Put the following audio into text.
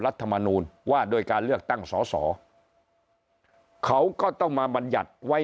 รัฐมนูลว่าโดยการเลือกตั้งสอสอเขาก็ต้องมาบรรยัติไว้